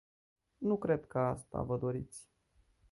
Nu cred că asta vă doriți.